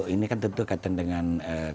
ini kan tentu kaitan dengan